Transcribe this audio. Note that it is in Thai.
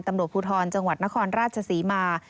ตำรวจภูทรจังหวัดนครราชศรีมา